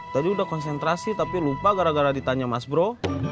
tadi sudah konsentrasi tapi lupa gara gara ditanya mas bro